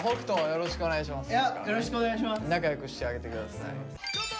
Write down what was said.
よろしくお願いします。